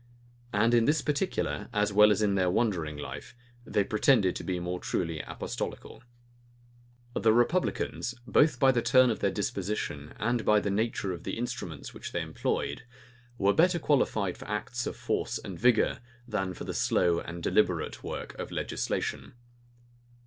And in this particular, as well as in their wandering life, they pretended to be more truly apostolical. * Dr. John Walker's Attempt, p. 147, et seq. The republicans, both by the turn of their disposition, and by the nature of the instruments which they employed, were better qualified for acts of force and vigor, than for the slow and deliberate work of legislation.